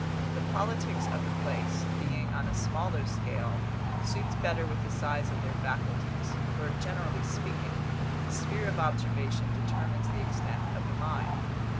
The politics of the place, being on a smaller scale, suits better with the size of their faculties; for, generally speaking, the sphere of observation determines the extent of the mind.